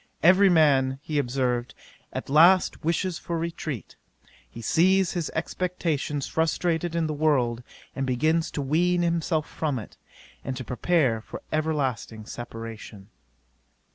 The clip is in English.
Every man, he observed, at last wishes for retreat: he sees his expectations frustrated in the world, and begins to wean himself from it, and to prepare for everlasting separation.